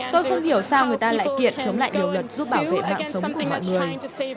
tôi không hiểu sao người ta lại kiệt chống lại điều luật giúp bảo vệ mạng sống của mọi người